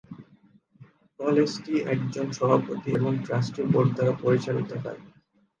কলেজটি একজন সভাপতি এবং ট্রাস্টি বোর্ড দ্বারা পরিচালিত হয়।